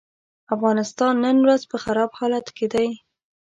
افغانستان نن ورځ په خراب حالت کې دی.